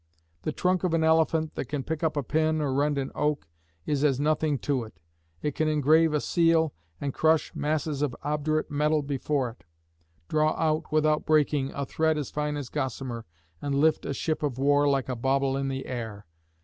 The trunk of an elephant, that can pick up a pin or rend an oak, is as nothing to it. It can engrave a seal, and crush masses of obdurate metal before it; draw out, without breaking, a thread as fine as gossamer, and lift a ship of war like a bauble in the air.